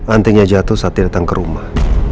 antinya jatuh saat dia datang ke rumah